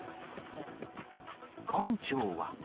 館長は。